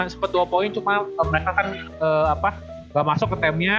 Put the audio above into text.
sempat dua poin cuma mereka kan nggak masuk ke timnya